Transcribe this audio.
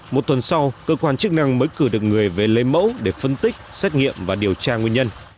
một tuần sau cơ quan chức năng mới cử được người về lấy mẫu để phân tích xét nghiệm và điều tra nguyên nhân